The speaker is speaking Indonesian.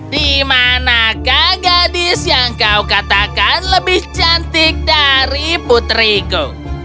dimanakah gadis yang kau katakan lebih cantik dari putriku